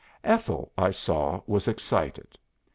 '" "Ethel, I saw, was excited.